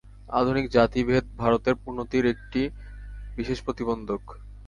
আধুনিক জাতিভেদ ভারতের উন্নতির একটি বিশেষ প্রতিবন্ধক।